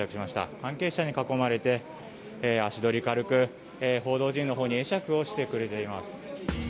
関係者に囲まれて足取り軽く報道陣のほうに会釈をしてくれています。